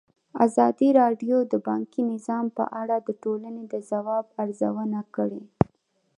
ازادي راډیو د بانکي نظام په اړه د ټولنې د ځواب ارزونه کړې.